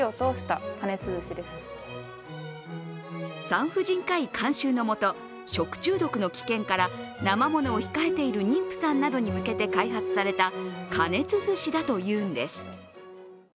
産婦人科医監修のもと、食中毒の危険からなま物を控えている妊婦さんなどに向けて開発された加熱寿司だというんです。